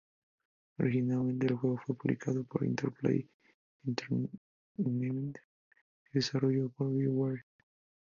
Originalmente el juego fue publicado por Interplay Entertainment y desarrollado por BioWare.